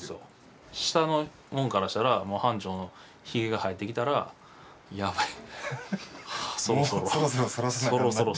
下のもんからしたら班長のヒゲが生えてきたらやばい。